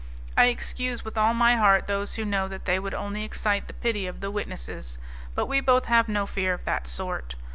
I excuse with all my heart those who know that they would only excite the pity of the witnesses, but we both have no fear of that sort.